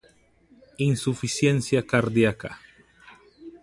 insuficiencia cardiaca